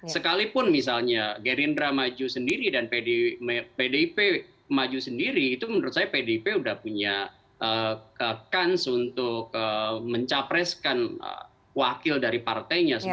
sekalipun misalnya gerindra maju sendiri dan pdip maju sendiri itu menurut saya pdip sudah punya kans untuk mencapreskan wakil dari partainya